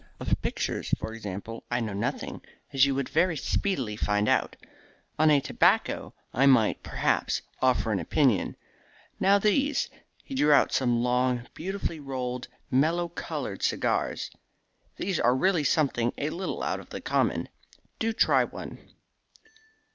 Of pictures, for example, I know nothing, as you would very speedily find out. On a tobacco, I might, perhaps, offer an opinion. Now these" he drew out some long, beautifully rolled, mellow coloured cigars "these are really something a little out of the common. Do try one."